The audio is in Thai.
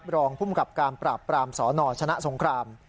รองภูมิกับการปราบปรามสนชนะสงคราม